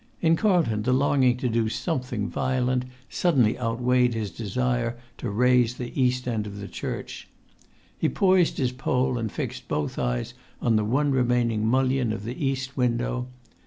In Carlton the longing to do something violent suddenly outweighed his desire to raze the east end of the church. He poised his pole and fixed both eyes on the one remaining mullion of the east window.